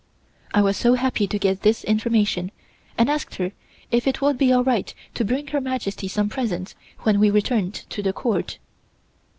I was so happy to get this information and asked her if it would be all right to bring Her Majesty some presents when we returned to the Court.